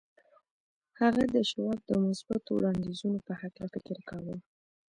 هغه د شواب د مثبتو وړاندیزونو په هکله فکر کاوه